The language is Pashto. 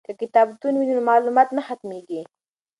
که کتابتون وي نو معلومات نه ختمیږي.